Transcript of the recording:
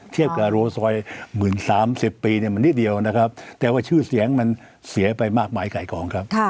เทียบกับโรซอย๑๐๓๐ปีเนี่ยมันนิดเดียวนะครับแต่ว่าชื่อเสียงมันเสียไปมากมายขายของครับ